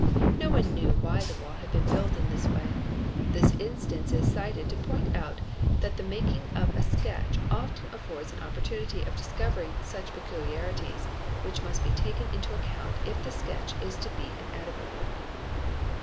No one knew why the wall had been built in this way. Phis instance is cited to point out that the making of a sketch often afiords an opportunity of discovering such peculiarities, which must be aken into account if the sketch is to be an adequate one.